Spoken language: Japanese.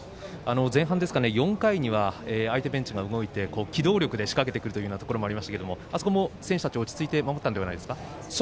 前半、４回には相手ベンチが動いて機動力で仕掛けてくるというようなところもありましたけれどもあそこも選手たちは落ち着いて守ったのではないですか。